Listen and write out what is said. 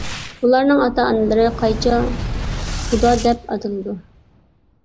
ئۇلارنىڭ ئاتا-ئانىلىرى» قايچا قۇدا «دەپ ئاتىلىدۇ.